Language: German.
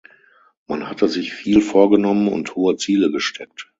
Man hatte sich viel vorgenommen und hohe Ziele gesteckt.